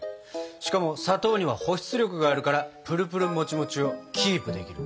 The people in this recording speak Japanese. しかも砂糖には保湿力があるからプルプルもちもちをキープできるんだ。